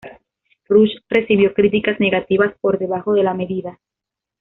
Rush recibió críticas negativas por debajo de la media.